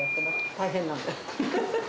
大変なんです。